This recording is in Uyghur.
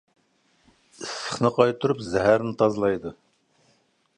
ئىسسىقنى قايتۇرۇپ زەھەرنى تازىلايدۇ.